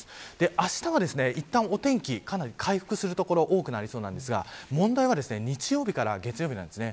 あしたは、いったんお天気かなり回復する所多くなりそうなんですが問題は日曜日から月曜日です。